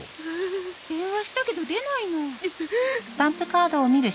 電話したけど出ないの。